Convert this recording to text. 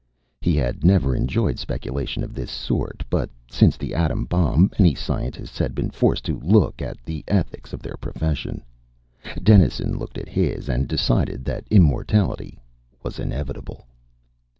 He had never enjoyed speculation of this sort. But since the atom bomb, many scientists had been forced to look at the ethics of their profession. Dennison looked at his and decided that immortality was inevitable.